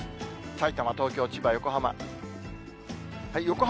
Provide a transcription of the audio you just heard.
さいたま、東京、千葉、横浜。